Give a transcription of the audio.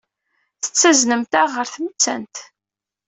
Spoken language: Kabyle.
Tettaznemt-aɣ ɣer tmettant.